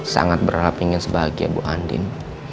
sangat berharap ingin sebahagia bu andin